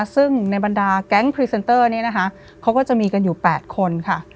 ซึ่งในบรรดาแก๊งพรีเซนเตอร์นี้นะคะเขาก็จะมีกันอยู่๘คนค่ะ